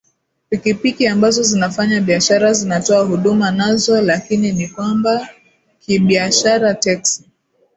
pikipiki ambazo zinafanya biashara zinatoa huduma nazo lakini ni kwamba kibiashara teksi